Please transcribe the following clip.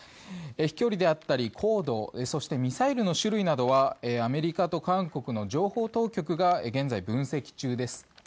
飛距離であったり高度そしてミサイルの種類などはアメリカと韓国の情報当局が現在、分析中です。